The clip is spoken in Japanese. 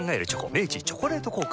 明治「チョコレート効果」